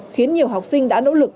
khiến nhiều học sinh đã nỗ lực